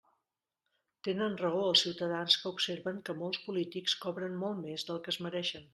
Tenen raó els ciutadans que observen que molts polítics cobren molt més del que es mereixen.